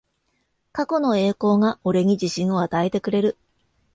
過去の栄光が俺に自信を与えてくれる